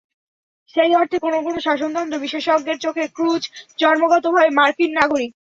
সেই অর্থে কোনো কোনো শাসনতন্ত্র বিশেষজ্ঞের চোখে ক্রুজ জন্মগতভাবে মার্কিন নাগরিক।